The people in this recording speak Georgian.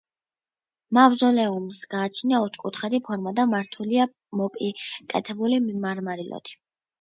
მავზოლეუმს გააჩნია ოთხკუთხედი ფორმა და მორთულია მოპირკეთებული მარმარილოთი.